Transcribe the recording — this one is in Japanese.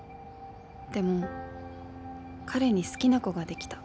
でも、彼に好きな子ができた。